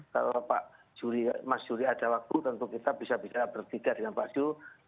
kalau pak mas juri ada waktu tentu kita bisa bicara bertiga dengan pak juri